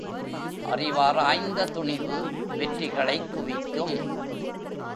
அறிவாராய்ந்த துணிவு வெற்றிகளைக் குவிக்கும்.